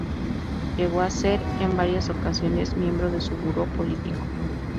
Llegó a ser, en varias ocasiones, miembro de su Buró Político.